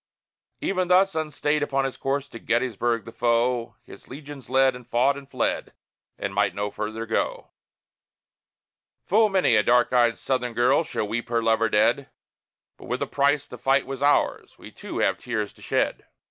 Even thus, unstayed upon his course, to Gettysburg the foe His legions led, and fought, and fled, and might no further go. Full many a dark eyed Southern girl shall weep her lover dead; But with a price the fight was ours, we too have tears to shed!